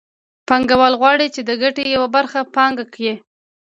پانګوال غواړي چې د ګټې یوه برخه پانګه کړي